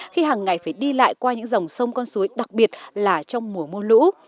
khi hàng ngày phải đi lại qua những dòng sông con suối đặc biệt là trong mùa mưa lũ